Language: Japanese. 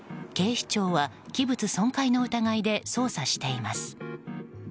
警視庁は器物損壊の疑いで捜査しています。